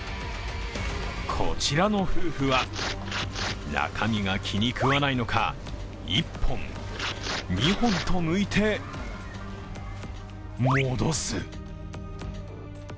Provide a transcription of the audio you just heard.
こちらの夫婦は中身が気にくわないのか、１本、２本とむいて戻す。